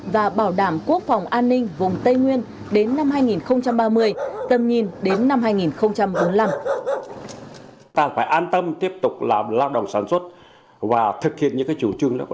và bảo đảm quốc phòng an ninh vùng tây nguyên đến năm hai nghìn hai mươi